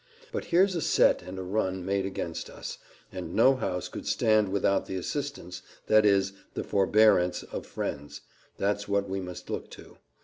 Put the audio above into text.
But here's a set and a run made against us, and no house could stand without the assistance, that is, the forbearance of friends that's what we must look to.